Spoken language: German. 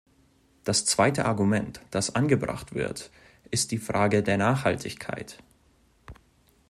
Das zweite Argument, das angebracht wird, ist die Frage der Nachhaltigkeit.